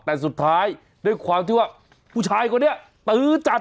แต่สุดท้ายด้วยความที่ว่าผู้ชายคนนี้ตื้อจัด